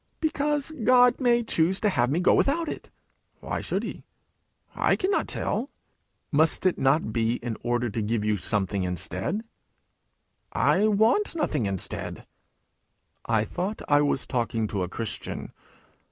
'Because God may choose to have me go without it.' 'Why should he?' 'I cannot tell.' 'Must it not be in order to give you something instead?' 'I want nothing instead.' 'I thought I was talking to a Christian!'